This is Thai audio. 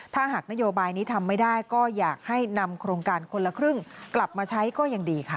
ถ้าหากนโยบายนี้ทำไม่ได้ก็อยากให้นำโครงการคนละครึ่งกลับมาใช้ก็ยังดีค่ะ